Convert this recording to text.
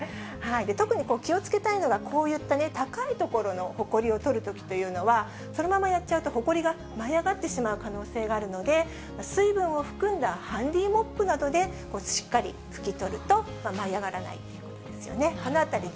特に気をつけたいのが、こういったね、高い所のホコリを取るときというのは、そのままやっちゃうと、ホコリが舞い上がってしまう可能性があるので、水分を含んだハンディモップなどで、しっかり拭き取ると、舞い上がらないということですよね。